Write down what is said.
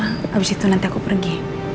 habis itu nanti aku pergi